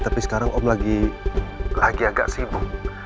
tapi sekarang om lagi agak sibuk